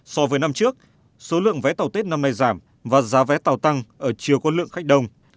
so với năm trước số lượng vé tàu tết năm nay giảm và giá vé tàu tăng ở chiều có lượng khách đông